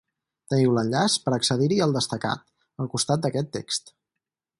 Teniu l'enllaç per accedir-hi al destacat, al costat d'aquest text.